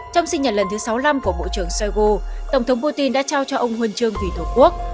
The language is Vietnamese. trong sinh nhật lần thứ sáu mươi năm của bộ trưởng shoigo tổng thống putin đã trao cho ông huân chương vì thổ quốc